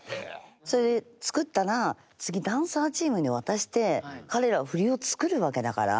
それつくったら次ダンサーチームに渡して彼らは振りをつくるわけだから。